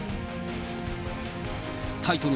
タイトル